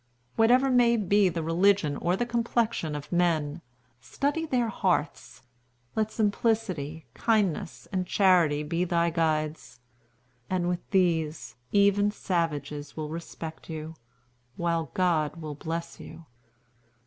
Whatever may be the religion or the complexion of men, study their hearts. Let simplicity, kindness, and charity be thy guides; and with these, even savages will respect you, while God will bless you."